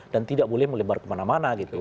dan tidak boleh melebar kemana mana